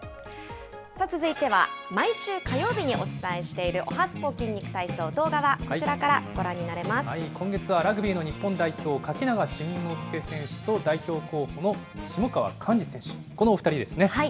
続いては毎週火曜日にお伝えしているおはＳＰＯ筋肉体操、動画は今月はラグビーの日本代表、垣永真之介選手と代表候補の下川甲嗣選手、このお２人ですね。